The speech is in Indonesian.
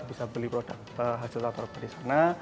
bisa beli produk hasil tata rupa di sana